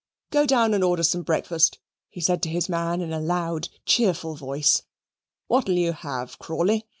"Go down and order some breakfast," he said to his man in a loud cheerful voice. "What'll you have, Crawley?